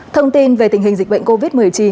thông tin về tình hình dịch bệnh covid một mươi chín